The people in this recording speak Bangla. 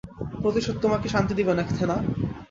প্রতিশোধ তোমাকে শান্তি দিবে না, থেনা।